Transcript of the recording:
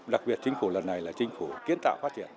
đặc biệt chính phủ lần này là chính phủ kiến tạo phát triển